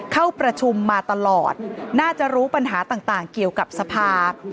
เข้าประชุมมาตลอดน่าจะรู้ปัญหาต่างเกี่ยวกับสภา